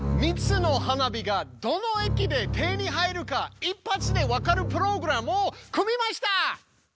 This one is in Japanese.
３つの花火がどの駅で手に入るか一発で分かるプログラムを組みました！